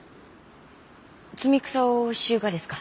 摘み草をしゆうがですか？